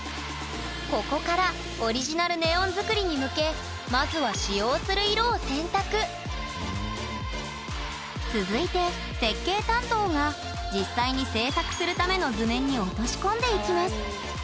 ここからオリジナルネオン作りに向けまずは使用する色を選択続いて設計担当が実際に制作するための図面に落とし込んでいきます